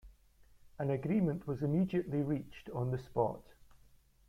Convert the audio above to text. An agreement was immediately reached on the spot.